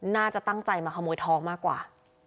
น่าจะตั้งใจมาขโมยทองมากกว่า